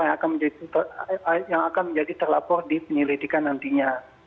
yang akan menjadi terlapor di penyelidikan nantinya